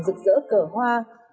rực rỡ cờ hoa